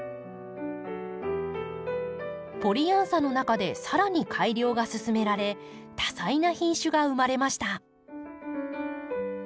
ポリアンサの中で更に改良が進められ多彩な品種が生まれました。